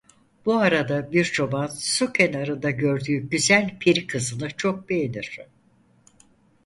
Bu arada bir çoban su kenarında gördüğü güzel peri kızını çok beğenir.